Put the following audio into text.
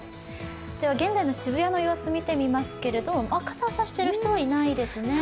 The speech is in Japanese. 現在の渋谷の様子見てみますけれども、傘を差している人はいないですね。